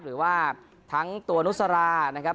หรือว่าทั้งตัวนุสรานะครับ